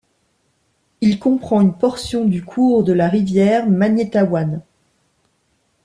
Il comprend une portion du cours de la rivière Magnetawan.